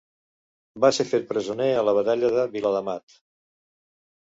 Va ser fet presoner a la Batalla de Viladamat.